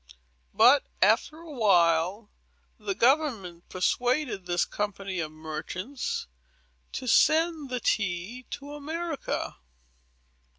But, after a while, the government persuaded this company of merchants to send the tea to America.